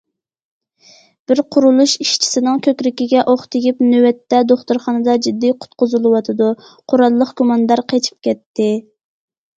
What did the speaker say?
بىر قۇرۇلۇش ئىشچىسىنىڭ كۆكرىكىگە ئوق تېگىپ نۆۋەتتە دوختۇرخانىدا جىددىي قۇتقۇزۇلۇۋاتىدۇ، قوراللىق گۇماندار قېچىپ كەتتى.